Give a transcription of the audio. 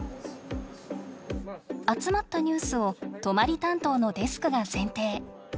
集まったニュースを泊まり担当のデスクが選定。